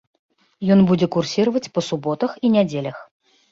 Ён будзе курсіраваць па суботах і нядзелях.